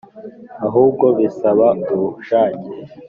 ahubwo bisaba ubushake,